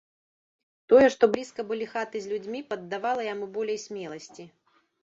Тое, што блізка былі хаты з людзьмі, паддавала яму болей смеласці.